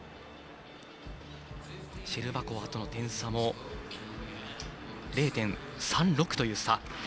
シェルバコワとの点差も０．３６という差。